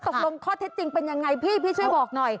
ตกลงข้อเท็จจริงเป็นยังไงพี่พี่ช่วยบอกหน่อย